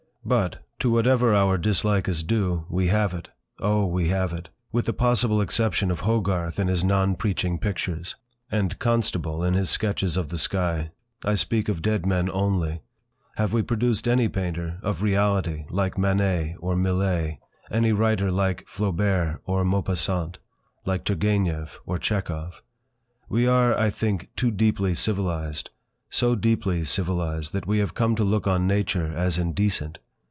But, to whatever our dislike is due, we have it—Oh! we have it! With the possible exception of Hogarth in his non preaching pictures, and Constable in his sketches of the sky,—I speak of dead men only, —have we produced any painter of reality like Manet or Millet, any writer like Flaubert or Maupassant, like Turgenev, or Tchekov. We are, I think, too deeply civilised, so deeply civilised that we have come to look on Nature as indecent.